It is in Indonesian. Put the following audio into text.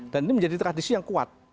dan ini menjadi tradisi yang kuat